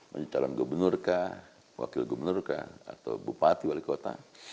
menjadi calon gubernur kah wakil gubernur kah atau bupati wali kota